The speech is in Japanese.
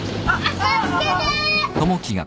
助けて！